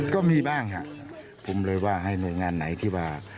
ก็มีบ้างครับผมเลยว่าให้หน่วยงานไหนที่ว่า